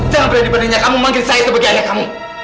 jangan berani bandingnya kamu manggil saya sebagai ayah kamu